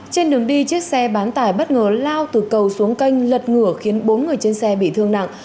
trên đường đi chiếc xe bán tải bất ngờ lao từ cầu xuống canh lật ngửa khiến bốn người trên xe bị thương nặng